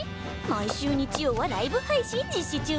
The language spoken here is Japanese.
毎週日曜はライブ配信実施中。